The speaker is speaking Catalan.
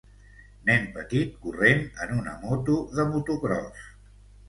Nen petit corrent en una moto de motocròs.